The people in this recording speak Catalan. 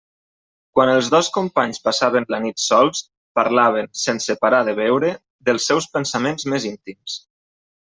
Quan els dos companys passaven la nit sols, parlaven, sense parar de beure, dels seus pensaments més íntims.